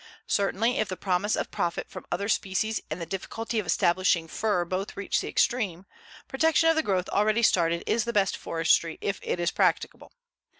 Certainly if the promise of profit from other species and the difficulty of establishing fir both reach the extreme, protection of the growth already started is the best forestry if it is practicable.